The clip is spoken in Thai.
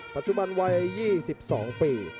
ปัจจุบันวัย๒๒ปี